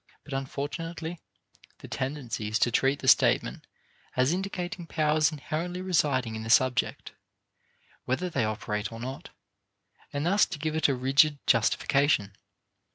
But unfortunately, the tendency is to treat the statement as indicating powers inherently residing in the subject, whether they operate or not, and thus to give it a rigid justification.